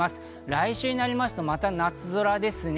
来週になりますと、また夏空ですね。